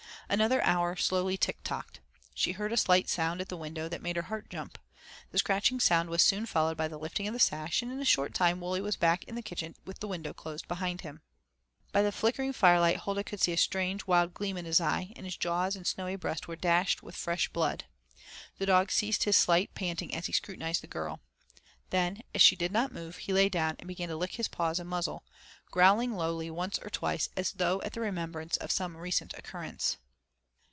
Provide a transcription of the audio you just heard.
Another hour slowly tick tocked. She heard a slight sound at the window that made her heart jump. The scratching sound was soon followed by the lifting of the sash, and in a short time Wully was back in the kitchen with the window closed behind him. By the flickering fire light Huldah could see a strange, wild gleam in his eye, and his jaws and snowy breast were dashed with fresh blood. The dog ceased his slight panting as he scrutinized the girl. Then, as she did not move, he lay down, and began to lick his paws and muzzle, growling lowly once or twice as though at the remembrance of some recent occurrence.